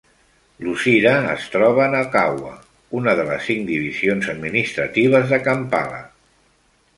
Luzira es troba a Nakawa, una de les cinc divisions administratives de Kampala.